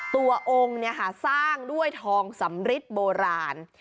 ตัวองค์เนี่ยค่ะสร้างด้วยทองสำริทโบราณ